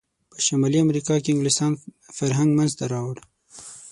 په شمالي امریکا کې انګلسان فرهنګ منځته راوړ.